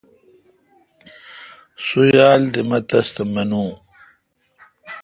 سو یال تھ مہ تس تہ مینو۔